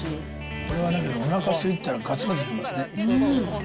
これはだけどおなかすいてたら、がつがついけますね。